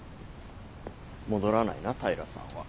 戻らないな平さんは。